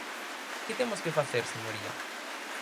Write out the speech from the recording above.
¿Que temos que facer, señoría?